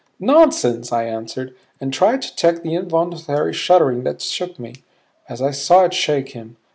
"Nonsense," I answered, and tried to check the involuntary shuddering that shook me, as I saw it shake him.